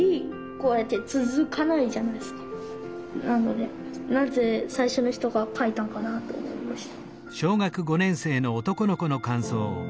なのでなぜ最初の人が書いたのかなと思いました。